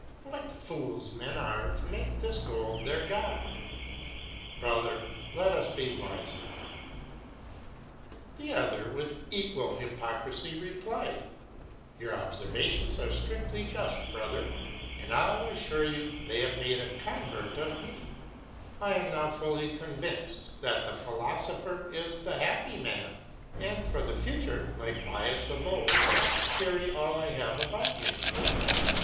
What fools men are to make this gold their God ? Brother, let us be wifer. The other with equal hypocrify replied; your obfervations are fliridly juft, brother, and I'll aflure you, they have made a convert of me : I am now fully convinced, that the philofopher is the happy man ; and for the future, like Bias of old, rii F E N E L N's TALES, &c. S7 I'll carry all I have about me.